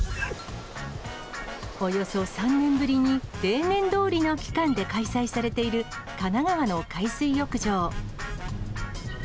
およそ３年ぶりに、例年どおりの期間で開催されている、神奈川の海水浴場。